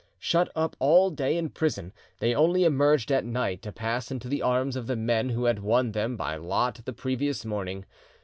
Shut up all day in prison, they only emerged at night to pass into the arms of the men who had won them by lot the previous morning.